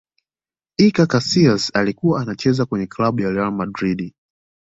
iker casilas alikuwa anacheza kwenye klabu ya real madrid